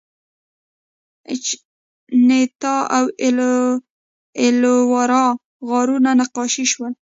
اجنتا او ایلورا غارونه نقاشي شول.